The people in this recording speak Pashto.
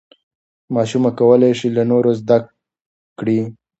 ماشومه کولی شي له نورو زده کړي.